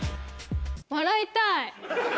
笑いたい。